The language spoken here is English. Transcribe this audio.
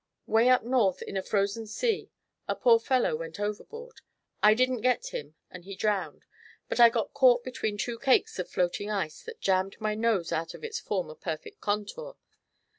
Way up North in a frozen sea a poor fellow went overboard. I didn't get him and he drowned; but I got caught between two cakes of floating ice that jammed my nose out of its former perfect contour.